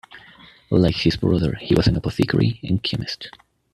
Like his brother, he was an apothecary and chemist.